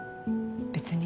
別に。